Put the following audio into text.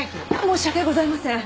申し訳ございません。